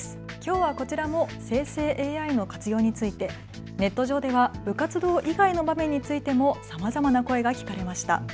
きょうはこちらも生成ＡＩの活用について、ネット上では部活動以外の場面についてもさまざまな声が聞かれました。